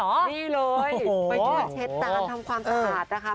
เช็ดจานทำความสะอาดนะคะ